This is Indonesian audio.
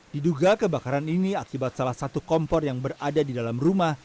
diduga kebakaran ini akibat salah satu kompor yang berada di dalam rumah